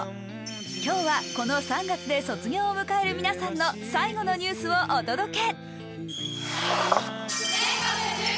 今日はこの３月で卒業を迎える皆さんの最後のニュースをお届け。